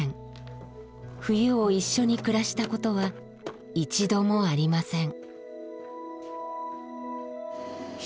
冬を一緒に暮らしたことは一度もありません。